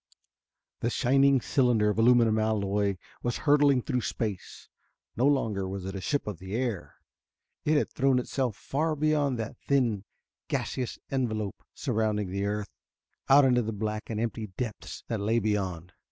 The shining cylinder of aluminum alloy was hurtling through space. No longer was it a ship of the air; it had thrown itself far beyond that thin gaseous envelope surrounding the earth; out into the black and empty depths that lay beyond.